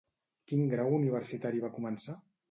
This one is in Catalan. Quin grau universitari va començar?